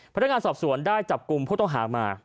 พนักงานสอบสวนได้จับกลุ่มผู้ต้องหามา